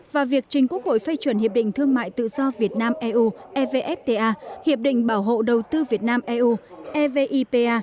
và việc trình quốc hội phê chuẩn hiệp định thương mại tự do việt nam eu evfta hiệp định bảo hộ đầu tư việt nam eu evipa